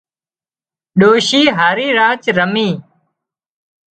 ڏوشي هاري راچ رمي